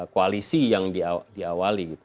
koalisi yang diawali